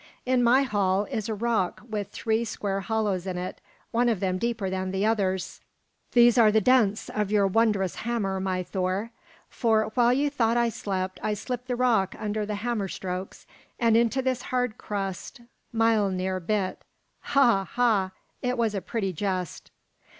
In my hall is a rock with three square hollows in it, one of them deeper than the others. These are the dents of your wondrous hammer, my Thor. For, while you thought I slept, I slipped the rock under the hammer strokes, and into this hard crust Miölnir bit. Ha, ha! It was a pretty jest."